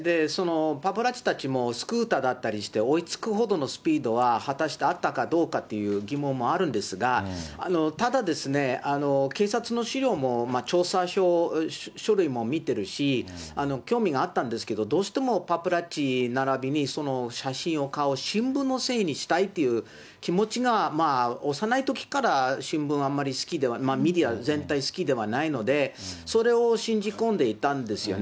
パパラッチたちもスクーターだったりして、追いつくほどのスピードは果たしてあったかどうかという疑問もあるんですが、ただですね、警察の資料も調査書類も見てるし、興味があったんですけど、どうしてもパパラッチならびに、その写真を買う新聞のせいにしたいという気持ちが幼いときから新聞あんまり、メディア全体好きではないので、それを信じ込んでいたんですよね。